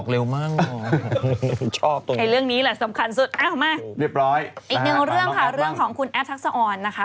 เรื่องคุณแอฟทักษะอ่อน